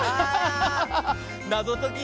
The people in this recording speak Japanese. なぞとき。